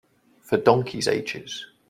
For donkeys' ages.